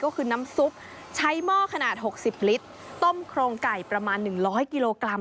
ก็คือน้ำซุปใช้หม้อขนาด๖๐ลิตรต้มโครงไก่ประมาณ๑๐๐กิโลกรัม